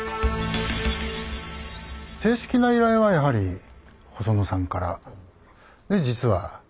正式な依頼はやはり細野さんから。